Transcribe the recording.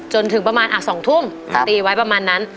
จนถึงประมาณ๒ทุ่มตีไว้ประมาณนั้น